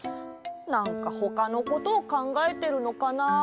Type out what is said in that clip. なんかほかのことをかんがえてるのかなって。